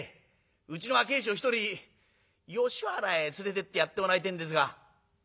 うちの若え衆を一人吉原へ連れてってやってもらいてえんですが」。